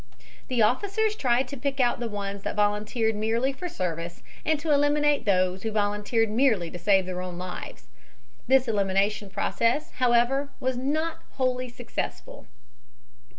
The officers tried to pick out the ones that volunteered merely for service and to eliminate those who volunteered merely to save their own lives. This elimination process however, was not wholly successful.